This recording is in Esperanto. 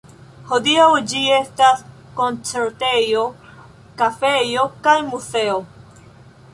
Hodiaŭ ĝi estas koncertejo, kafejo kaj muzeo.